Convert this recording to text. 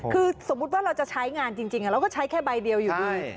คือสมมุติว่าเราจะใช้งานจริงเราก็ใช้แค่ใบเดียวอยู่ด้วย